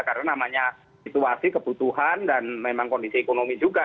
karena namanya situasi kebutuhan dan memang kondisi ekonomi juga